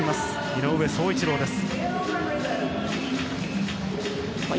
井上宗一郎です。